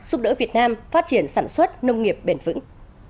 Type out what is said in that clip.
giúp đỡ việt nam phát triển sản xuất nông nghiệp bền vững